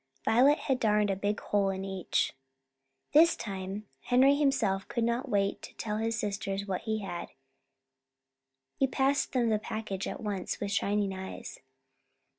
Violet had darned a big hole in each. This time Henry himself could not wait to tell his sisters what he had. He passed them the package at once, with shining eyes.